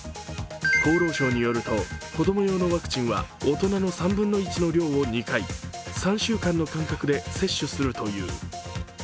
厚労省によると、子ども用のワクチンは大人の３分の１の量を２回３週間の間隔で接種するという。